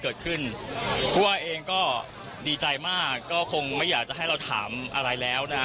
เราดีใจมากก็คงไม่อยากให้เราถามอะไรแล้วนะ